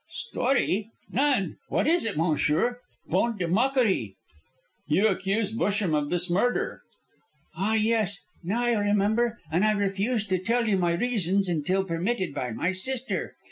"Story? None! What is it, monsieur? Point de moquerie!" "You accuse Busham of this murder!" "Ah, yes, now I remember; and I refused to tell you my reasons until permitted by my sister.